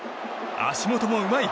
足元もうまい